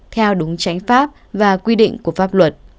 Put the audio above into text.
theo đúng tránh pháp và quy định của pháp luật